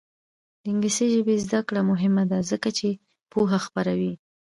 د انګلیسي ژبې زده کړه مهمه ده ځکه چې پوهه خپروي.